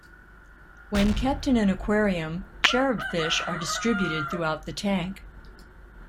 When kept in an aquarium, cherubfish are distributed throughout the tank.